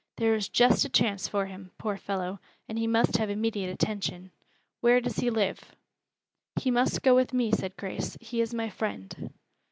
There is just a chance for him, poor fellow, and he must have immediate attention. Where does he live?" "He must go with me," said Grace. "He is my friend."